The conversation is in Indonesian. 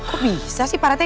kok bisa sih